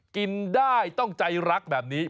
กินได้ต้องใจรักแบบนี้